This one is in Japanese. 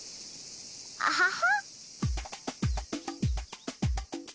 アハハ。